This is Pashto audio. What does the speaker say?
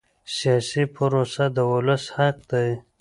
سیاسي پروسه د ولس حق دی